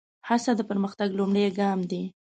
هڅه د پرمختګ لومړی ګام دی.